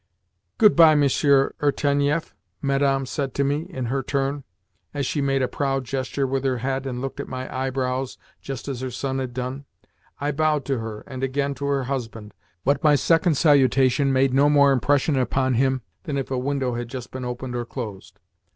"Good bye, Monsieur Irtenieff," Madame said to me, in her turn, as she made a proud gesture with her head and looked at my eyebrows just as her son had done. I bowed to her, and again to her husband, but my second salutation made no more impression upon him than if a window had just been opened or closed.